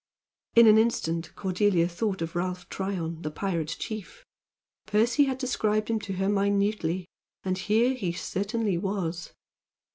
In an instant Cordelia thought of Ralph Tryon, the pirate chief. Percy had described him to her minutely, and here he certainly was.